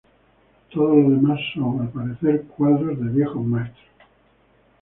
Todo lo demás son, al parecer, cuadros de "Viejos Maestros".